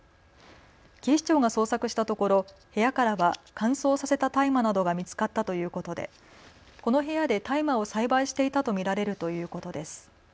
警視庁が捜索したところ部屋からは乾燥させた大麻などが見つかったということでこの部屋で大麻を栽培していたと見られるということです。